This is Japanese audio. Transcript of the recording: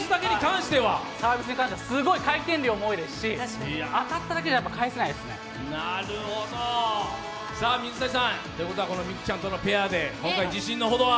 サービスに関してはすごい回転量も多いですしアタックだけでは返せないですね。ということはこの美空ちゃんとのペアで今回自信のほどは？